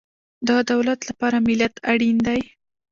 د دولت لپاره ملت اړین دی